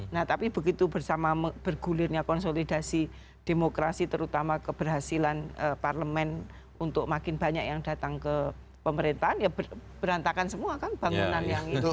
nah tapi begitu bersama bergulirnya konsolidasi demokrasi terutama keberhasilan parlemen untuk makin banyak yang datang ke pemerintahan ya berantakan semua kan bangunan yang itu